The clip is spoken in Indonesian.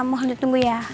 mohon ditunggu ya